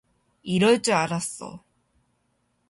이럴 줄 알았어.